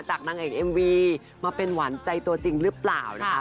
นางเอกเอ็มวีมาเป็นหวานใจตัวจริงหรือเปล่านะคะ